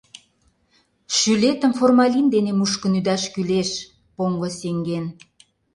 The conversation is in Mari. — Шӱлетым формалин дене мушкын ӱдаш кӱлеш — поҥго сеҥен...